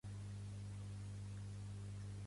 Què se t'hi ha perdut, a Catalunya?